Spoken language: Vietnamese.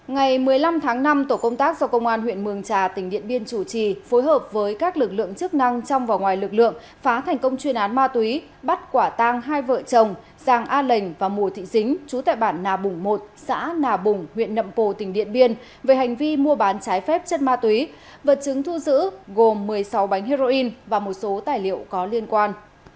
ngày một mươi năm tháng năm tổ công tác do công an huyện mường trà tỉnh điện biên chủ trì phối hợp với các lực lượng chức năng trong và ngoài lực lượng phá thành công chuyên án ma túy bắt quả tang hai vợ chồng giàng a lệnh và mùa thị dính trú tại bản nà bùng một xã nà bùng huyện nậm pồ tỉnh điện biên về hành vi mua bán trái phép chất ma túy vật chứng thu giữ gồm một mươi sáu bánh heroin và một số tài liệu có liên quan